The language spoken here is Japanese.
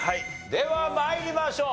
では参りましょう。